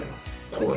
これ。